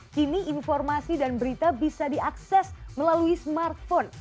kini informasi dan berita bisa diakses melalui smartphone